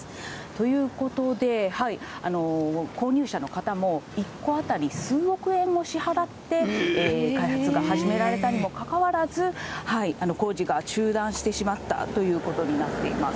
ということで、購入者の方も１戸当たり数億円も支払って開発が始められたにもかかわらず、工事が中断してしまったということになっています。